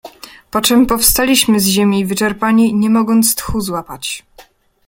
"Poczem powstaliśmy z ziemi wyczerpani, nie mogąc tchu złapać."